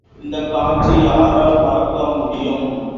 இந்தக் காட்சியை யாரால் மறக்கமுடியும்.